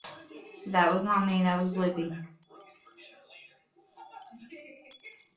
Borleias is taken, and the Alliance takes a step toward liberating Coruscant.